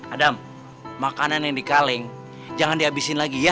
adam makanan yang dikaling jangan dihabisin lagi ya